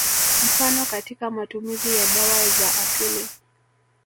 Mfano katika matumizi ya dawa za asili